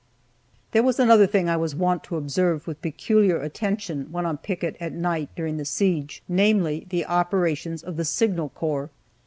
There was another thing I was wont to observe with peculiar attention, when on picket at night during the siege; namely, the operations of the Signal Corps.